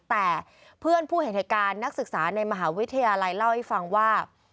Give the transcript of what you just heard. แต่เพื่อนผู้เห็นเหตุการณ์นักศึกษาในมหาวิทยาลัยเล่าให้ฟังว่า